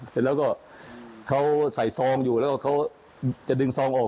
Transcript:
เสร็จแล้วก็เขาใส่ซองอยู่แล้วก็เขาจะดึงซองออก